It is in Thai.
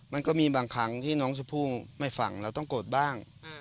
มันก็มีบางครั้งที่น้องชมพู่ไม่ฟังเราต้องโกรธบ้าง